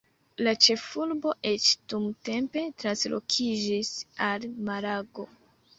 La ĉefurbo eĉ dumtempe translokiĝis al Malago.